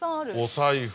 お財布。